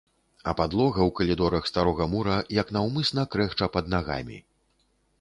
А падлога ў калідорах старога мура як наўмысна крэхча пад нагамі.